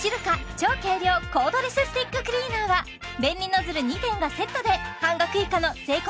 超軽量コードレススティッククリーナーは便利ノズル２点がセットで半額以下の税込